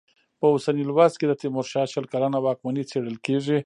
په اوسني لوست کې د تېمورشاه شل کلنه واکمني څېړل کېږي.